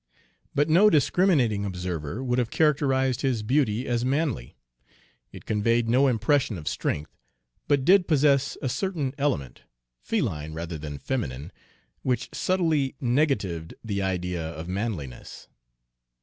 But no discriminating observer would have characterized his beauty as manly. It conveyed no impression of strength, but did possess a certain element, feline rather than feminine, which subtly negatived the idea of manliness.